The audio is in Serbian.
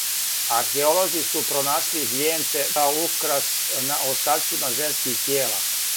Археолози су пронашли вијенце као украс на остацима женских тијела.